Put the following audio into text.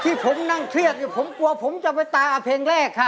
ที่ผมนั่งเครียดอยู่ผมกลัวผมจะไปตาเพลงแรกครับ